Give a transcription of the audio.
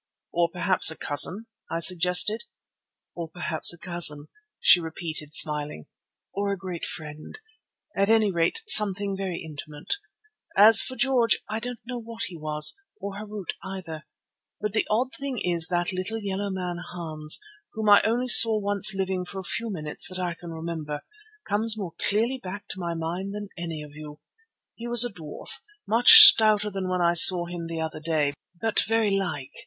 "Or perhaps a cousin," I suggested. "Or perhaps a cousin," she repeated, smiling, "or a great friend; at any rate something very intimate. As for George, I don't know what he was, or Harût either. But the odd thing is that little yellow man, Hans, whom I only saw once living for a few minutes that I can remember, comes more clearly back to my mind than any of you. He was a dwarf, much stouter than when I saw him the other day, but very like.